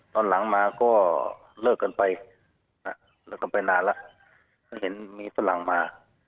ตอนหลังมาก็เลิกกันไปเลิกกันไปนานแล้วก็เห็นมีฝรั่งมา